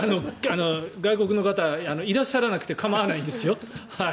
外国の方いらっしゃらなくて構わないんですよ、